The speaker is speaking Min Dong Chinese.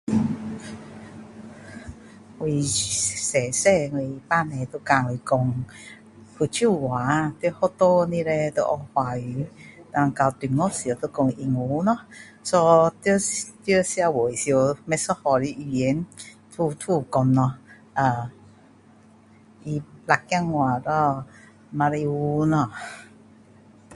我小小我父母就教我说福州话在学校里叻就学华语然后到中学时就说英文咯 so 在社会时不一样的语言都都会说咯呃他辣子话咯马来文咯